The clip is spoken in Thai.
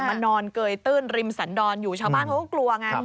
มานอนเกยตื้นริมสันโดรชาวบ้านเพราะกลัวไง